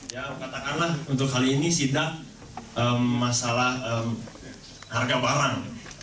ya katakanlah untuk hal ini sidak masalah harga barang